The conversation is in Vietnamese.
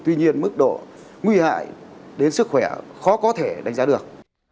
tuy nhiên mức độ nguy hại đến sức khỏe khó có thể đánh giá được